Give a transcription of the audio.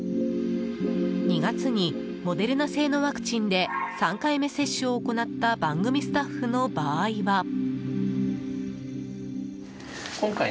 ２月にモデルナ製のワクチンで３回目接種を行った番組スタッフの場合は。